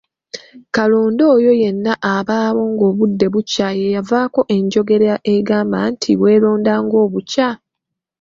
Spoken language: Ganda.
Kalonda oyo yenna abaawo ng'obudde bukya yeeyavaako n'enjogera egamba nti, "weeronda ng'obukya!"